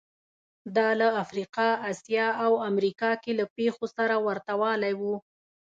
دا له افریقا، اسیا او امریکا کې له پېښو سره ورته والی و